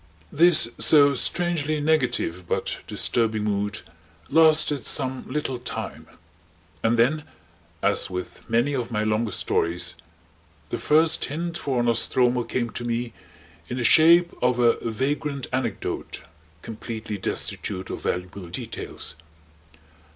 This so strangely negative but disturbing mood lasted some little time; and then, as with many of my longer stories, the first hint for "Nostromo" came to me in the shape of a vagrant anecdote completely destitute of valuable details.